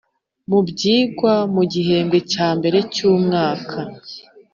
Mu byigwa mu gihembwe cya mbere cy umwaka